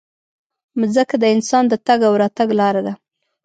مځکه د انسان د تګ او راتګ لاره ده.